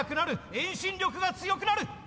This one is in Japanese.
遠心力が強くなる！